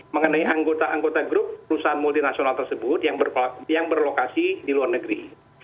mengenai anggota anggota grup perusahaan multinasional tersebut yang berlokasi di luar negeri